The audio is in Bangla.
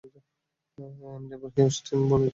এনডেভর, হিউস্টন বলছি।